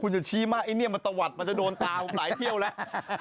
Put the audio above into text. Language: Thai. จะชี้มากไอ้เนี่ยมันตะวัดมันจะโดนตาผมหลายเที่ยวแล้ว